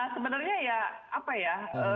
sebenarnya ya apa ya